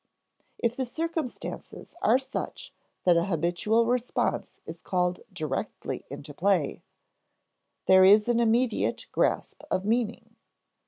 If the circumstances are such that a habitual response is called directly into play, there is an immediate grasp of meaning.